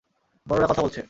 বড়রা কথা বলছে।